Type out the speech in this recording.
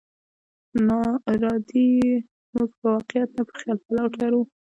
ناارادي يې موږ په واقعيت نه، په خيال پورې تړو.